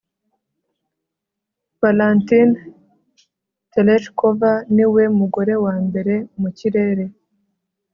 valentina tereshkova niwe mugore wa mbere mu kirere